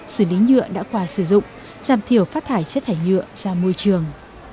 xử lý nhựa đã qua sử dụng giảm thiểu phát thải chất thải nhựa ra môi trường